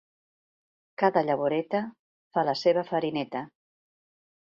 Cada llavoreta fa la seva farineta.